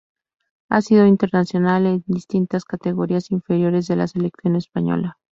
Ha sido internacional en distintas categorías inferiores de la selección española.